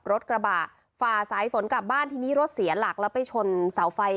รถกระบะฝ่าสายฝนกลับบ้านทีนี้รถเสียหลักแล้วไปชนเสาไฟ